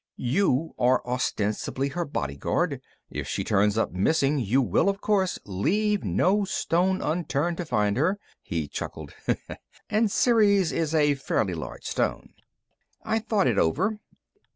You are ostensibly her bodyguard. If she turns up missing, you will, of course, leave no stone unturned to find her." He chuckled. "And Ceres is a fairly large stone." I thought it over.